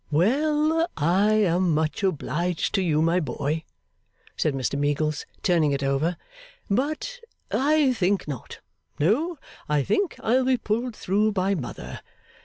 'Well! I am much obliged to you, my boy,' said Mr Meagles, turning it over, 'but I think not. No, I think I'll be pulled through by Mother.